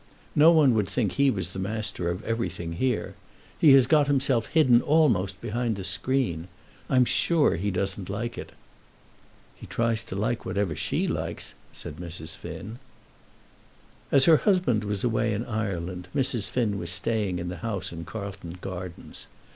No one would think he was the master of everything here. He has got himself hidden almost behind the screen. I'm sure he doesn't like it." "He tries to like whatever she likes," said Mrs. Finn. As her husband was away in Ireland, Mrs. Finn was staying in the house in Carlton Gardens.